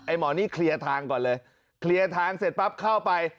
หมอนี่เคลียร์ทางก่อนเลยเคลียร์ทางเสร็จปั๊บเข้าไป